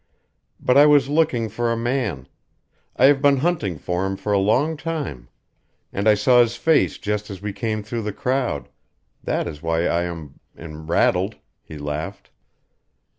But I was looking for a man. I have been hunting for him for a long time. And I saw his face just as we came through the crowd. That is why I am am rattled," he laughed.